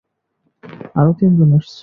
আরো তিনজন আসছে।